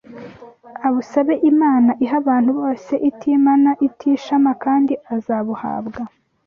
abusabe Imana iha abantu bose itimana itishama kandi azabuhabwa